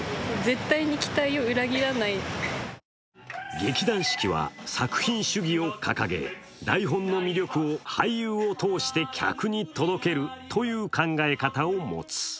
劇団四季は、作品主義を掲げ台本の魅力を俳優を通して客に届けるという考え方を持つ。